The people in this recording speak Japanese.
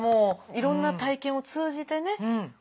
いろんな体験を通じてね